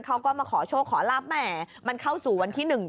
เขาก็มาขอโชคขอลาบแหมมันเข้าสู่วันที่หนึ่ง